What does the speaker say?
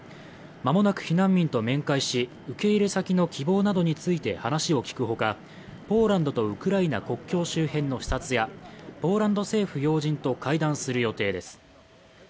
間もなく避難民と面会し、受け入れ先の希望などについて話を聞くほか、ポーランドとウクライナ国境周辺の視察やポーランド政府要人と会談する予定です。